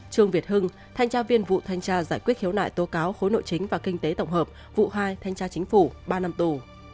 trương việt hưng thanh tra viên vụ thanh tra giải quyết khiếu nại tố cáo khối nội chính và kinh tế tổng hợp vụ hai thanh tra chính phủ ba năm tù